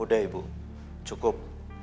udah ibu cukup